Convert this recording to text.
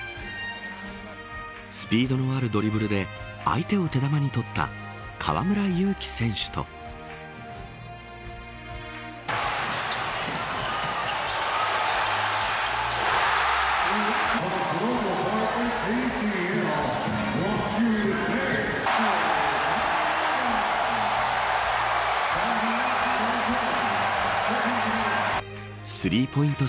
スピードのあるドリブルで相手を手玉に取った河村勇輝選手とスリーポイント